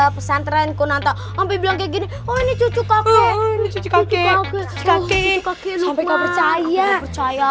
pesantren kunanta sampai bilang kayak gini oh ini cucu kakek kakek sampai kau percaya percaya